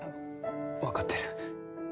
わかってる。